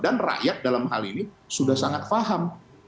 dan rakyat dalam hal ini sudah sangat paham